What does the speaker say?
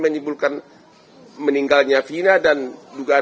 kenapa saya ingat ingat permintaan negara